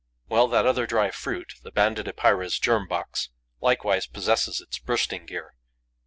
Well, that other dry fruit, the Banded Epeira's germ box, likewise possesses its bursting gear.